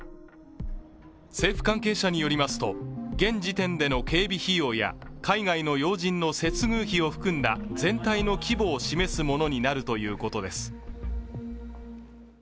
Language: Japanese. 政府関係者によりますと、現時点での警備費用や海外の要人の接遇費を含んだ全体の規模を示すものになるということです。